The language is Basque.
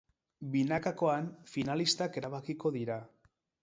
Binakakoan, finalistak erabakiko dira.